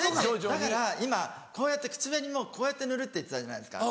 だから今口紅もこうやって塗るって言ってたじゃないですか。